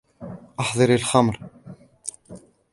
أحضر الخمر.